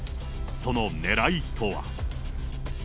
そのねらいとは。